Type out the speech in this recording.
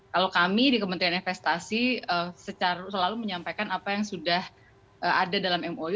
kalau kami di kementerian investasi selalu menyampaikan apa yang sudah ada dalam mou